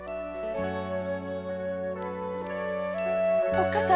おっ母さん